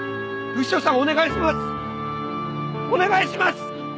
お願いします！